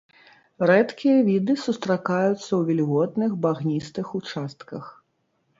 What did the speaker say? Рэдкія віды сустракаюцца ў вільготных багністых участках.